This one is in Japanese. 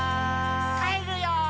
「帰るよー」